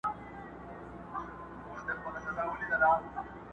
ملکه له تخته پورته په هوا سوه.!